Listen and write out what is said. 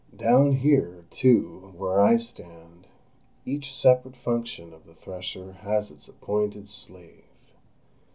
Down here, too, where I stand, each separate function of the thresher has its appointed slave.